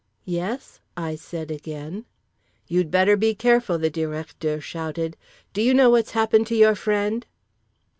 "Yes?" I said again. "You'd better be careful!" the Directeur shouted. "Do you know what's happened to your friend?"